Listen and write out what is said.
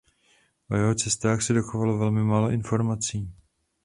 O jeho cestách se dochovalo velmi málo informací.